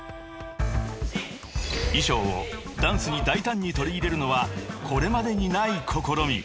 ［衣装をダンスに大胆に取り入れるのはこれまでにない試み］